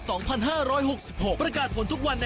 สุดท้ายค่ะสุดท้ายค่ะ